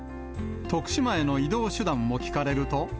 徳島への移動手段を聞かれると。